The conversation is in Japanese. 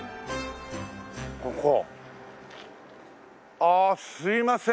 ああすいません。